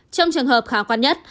trong trường hợp khả quan nhất